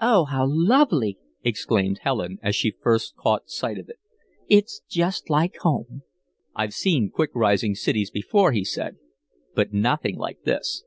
"Oh, how lovely!" exclaimed Helen as she first caught sight of it. "It's just like home." "I've seen quick rising cities before," he said, "but nothing like this.